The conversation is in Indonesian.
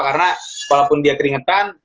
karena walaupun dia keringetan